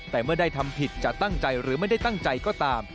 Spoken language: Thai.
แต่เมื่อได้ทำผิดจะตั้งใจหรือไม่ได้ตั้งใจก็ตาม